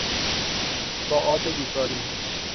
ساعات بیکاری